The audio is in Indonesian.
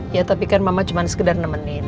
ya tapi kan mama cuma sekedar nemenin